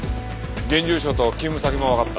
現住所と勤務先もわかった。